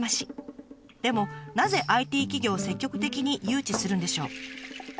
でもなぜＩＴ企業を積極的に誘致するんでしょう？